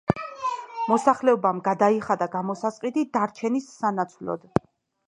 მოსახლეობამ გადაიხადა გამოსასყიდი დარჩენის სანაცვლოდ.